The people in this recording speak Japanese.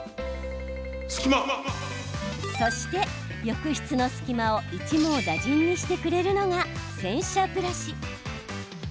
そして浴室の隙間を一網打尽にしてくれるのが洗車ブラシ。